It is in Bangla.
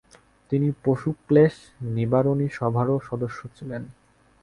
তিনি পশু-ক্লেশ নিবারণী সভারও সদস্য ছিলেন।